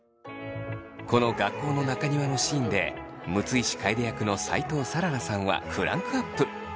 この学校の中庭のシーンで六石楓役の斎藤さららさんはクランクアップ。